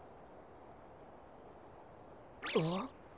あっ。